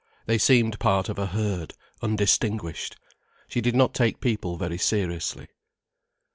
They seemed part of a herd, undistinguished. She did not take people very seriously.